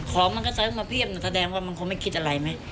ของมันก็ซื้อมาเพียบหนูแสดงว่ามันคงไม่คิดอะไรไหม